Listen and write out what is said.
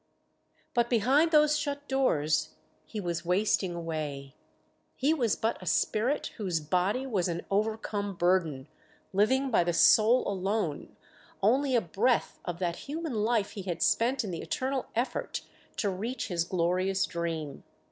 But behind those shut doors he was wasting away; he was but a spirit whose body was an overcome burden, living by the soul alone, only a breath of that human life he had spent in the eternal effort to reach his glorious dream.